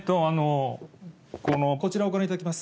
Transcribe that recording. こちらをご覧いただきます。